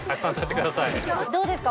どうですか？